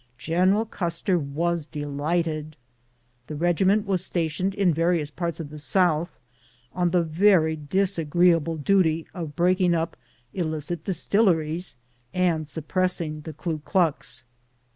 General Custer was delighted. The regi ment was stationed in various parts of the South, on the very disagreeable duty of breaking up illicit distilleries and suppressing the Ku klux.